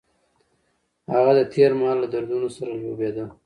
هغه د تېر مهال له دردونو سره لوبېده.